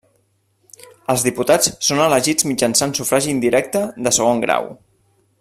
Els diputats són elegits mitjançant sufragi indirecte de segon grau.